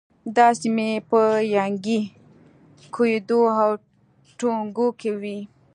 دا سیمې په ینګی، کویدو او ټونګو کې وې.